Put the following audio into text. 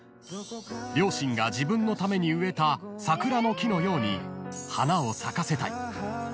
［両親が自分のために植えた桜の木のように花を咲かせたい］